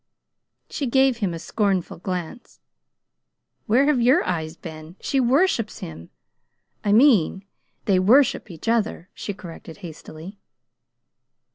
She gave him a scornful glance. "Where have your eyes been? She worships him! I mean they worship each other," she corrected hastily.